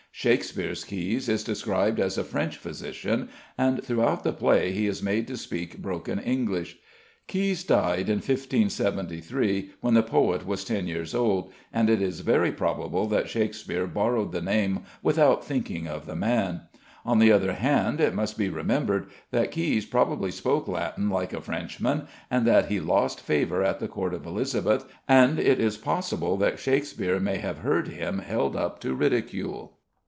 Shakspeare's Caius is described as a French physician, and throughout the play he is made to speak broken English. Caius died in 1573, when the poet was ten years old, and it is very probable that Shakspeare borrowed the name without thinking of the man. On the other hand, it must be remembered that Caius probably spoke Latin like a Frenchman and that he lost favour at the court of Elizabeth, and it is possible that Shakspeare may have heard him held up to ridicule.